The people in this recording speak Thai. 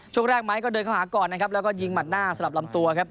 ช่วงแรกไม้ก็เดินเข้าหาก่อนนะครับแล้วก็ยิงหมัดหน้าสลับลำตัวครับ